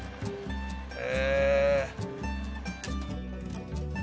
へえ。